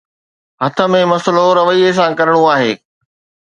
هٿ ۾ مسئلو رويي سان ڪرڻو آهي.